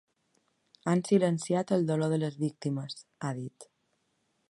Han silenciat el dolor de les víctimes, ha dit.